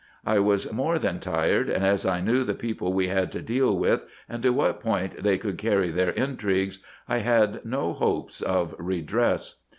I was more than tired, and as I knew the people we had to deal with, and to what point they could carry their intrigues, 1 had no hopes of redress.